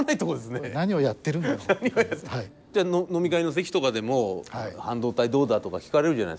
飲み会の席とかでも半導体どうだ？とか聞かれるじゃないですか。